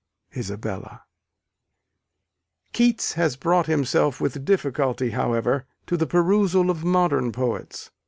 Isabella. Keats has brought himself with difficulty, however, to the perusal of modern poets.